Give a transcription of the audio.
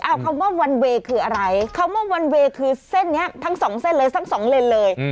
เอาคำว่าวันเวย์คืออะไรคำว่าวันเวย์คือเส้นนี้ทั้งสองเส้นเลยทั้งสองเลนเลย